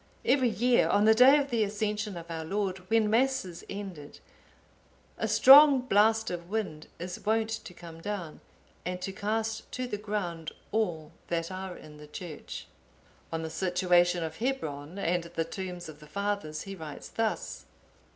Every year, on the day of the Ascension of our Lord, when Mass is ended, a strong blast of wind is wont to come down, and to cast to the ground all that are in the church." Of the situation of Hebron, and the tombs of the fathers,(866) he writes thus.